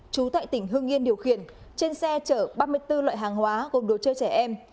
trú tại tỉnh hưng yên điều khiển trên xe chở ba mươi bốn loại hàng hóa gồm đồ chơi trẻ em